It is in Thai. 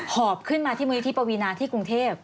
หอบขึ้นมาที่มณฑิปวินาที่กรุงเทพฯ